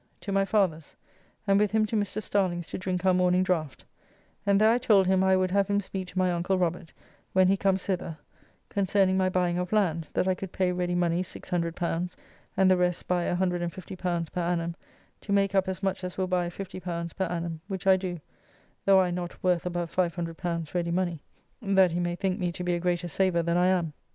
To my father's, and with him to Mr. Starling's to drink our morning draft, and there I told him how I would have him speak to my uncle Robert, when he comes thither, concerning my buying of land, that I could pay ready money L600 and the rest by L150 per annum, to make up as much as will buy L50 per annum, which I do, though I not worth above L500 ready money, that he may think me to be a greater saver than I am.